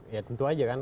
ya tentu aja kan